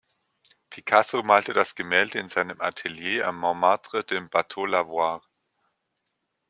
Picasso malte das Gemälde in seinem Atelier am Montmartre, dem Bateau-Lavoir.